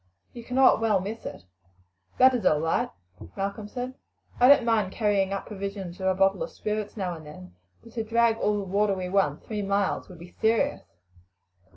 "You cannot well miss it." "That is all right," Malcolm said. "I don't mind carrying up provisions or a bottle of spirits now and then; but to drag all the water we want three miles would be serious."